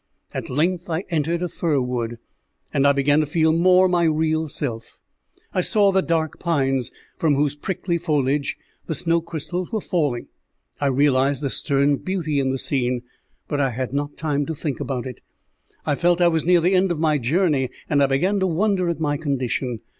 At length I entered a fir wood, and I began to feel more my real self. I saw the dark pines, from whose prickly foliage the snow crystals were falling; I realized a stern beauty in the scene; but I had not time to think about it. I felt I was near the end of my journey, and I began to wonder at my condition.